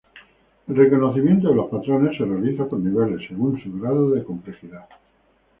El reconocimiento de los patrones se realiza por niveles según su grado de complejidad.